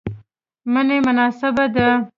منی مناسبه ده